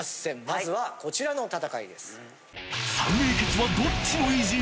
まずはこちらの戦いです。